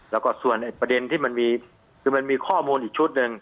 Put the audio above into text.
แล้วก็ส่วนประเด็นที่มันมีคือมันมีข้อมูลอีกชุดหนึ่ง